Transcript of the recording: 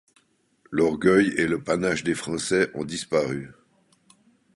L’orgueil et le panache des français ont disparu.